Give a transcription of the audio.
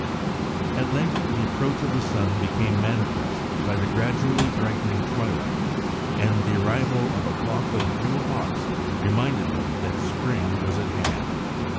At length the approach of the sun became manifest by the gradually brightening twilight, and the arrival of a flock of little auks reminded them that spring was at hand.